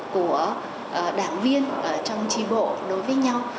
của đảng viên trong trì bộ đối với nhau